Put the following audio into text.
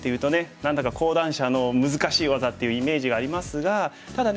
何だか高段者の難しい技っていうイメージがありますがただね